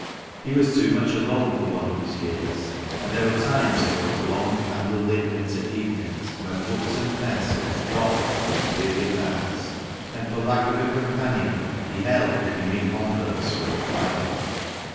He was too much alone for one of his years, and there were times in those long, candle lit winter evenings when books and pencils dropped 242 THE MANCHESTER MAN. from his wearied hands, and for lack of a companion he held dreamy converse with the fire.